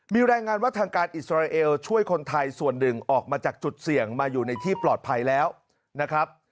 มีรายงานว่าทางการอิสราเอลช่วยคนไทยส่วนหนึ่งออกมาจากจุดเสี่ยงมาอยู่ในที่ปลอดภัยแล้วนะครับ